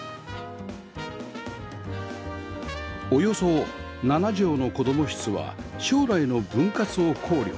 およそ７畳の子供室は将来の分割を考慮